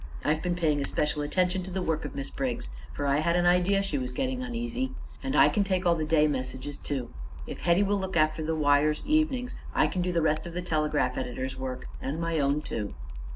"I've been paying especial attention to the work of Miss Briggs, for I had an idea she was getting uneasy. And I can take all the day messages, too. If Hetty will look after the wires evenings I can do the rest of the telegraph editor's work, and my own, too."